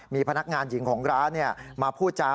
มีพนักงานหญิงของร้านมาพูดจา